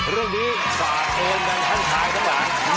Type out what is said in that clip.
เรื่องนี้ฝากโอนกันทางท้าย